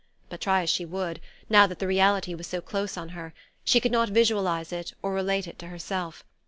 But, try as she would, now that the reality was so close on her, she could not visualize it or relate it to herself.